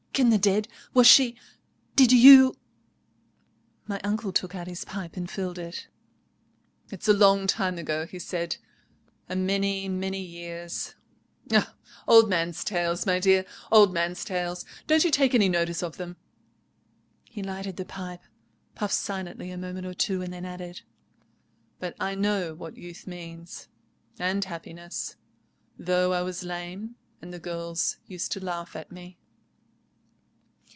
—Can the dead?—was she—did you——" My uncle took out his pipe and filled it. "It's a long time ago," he said, "a many, many years. Old man's tales, my dear! Old man's tales! Don't you take any notice of them." He lighted the pipe, puffed silently a moment or two, and then added: "But I know what youth means, and happiness, though I was lame, and the girls used to laugh at me."